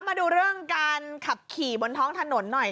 มาดูเรื่องการขับขี่บนท้องถนนหน่อย